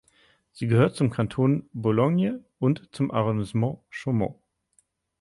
Sie gehört zum Kanton Bologne und zum Arrondissement Chaumont.